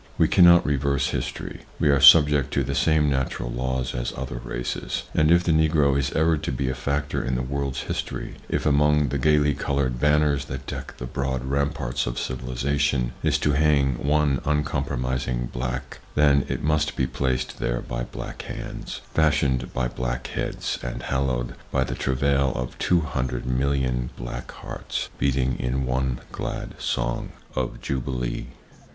We cannot reverse history; we are subject to the same natural laws as other races, and if the Negro is ever to be a factor in the world's history—if among the gaily colored banners that deck the broad ramparts of civilization is to hang one uncompromising black, then it must be placed there by black hands, fashioned by black heads and hallowed by the travail of 200,000,000 black hearts beating in one glad song of jubilee.